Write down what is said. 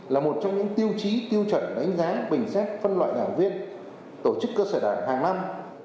là một trong những tiêu chí tiêu chuẩn đánh giá bình xét phân loại đảng viên tổ chức cơ sở đảng hàng năm